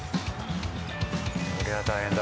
こりゃ大変だ。